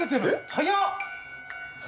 早っ！